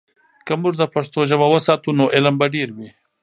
که موږ د پښتو ژبه وساتو، نو علم به ډیر وي.